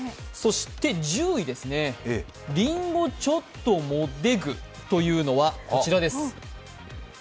そして、１０位ですね、りんごちょっともっでぐ？というのはこちらです。